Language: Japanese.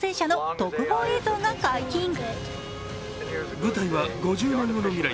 舞台は５０年後の未来。